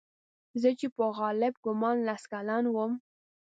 زه چې په غالب ګومان لس کلن وم.